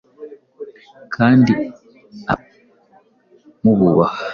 kandi abasa n’uwo mujye mububaha,